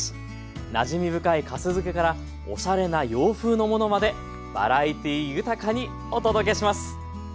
なじみ深いかす漬けからおしゃれな洋風のものまでバラエティー豊かにお届けします。